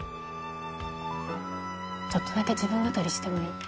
ちょっとだけ自分語りしてもいい？